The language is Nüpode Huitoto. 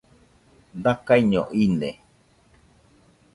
Dakaiño ine